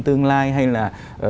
tương lai hay là